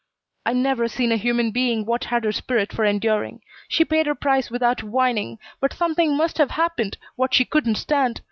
"I never seen a human being what had her spirit for enduring. She paid her price without whining, but something must have happened what she couldn't stand.